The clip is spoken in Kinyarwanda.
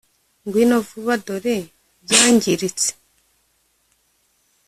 ngwino vuba dore byangiritse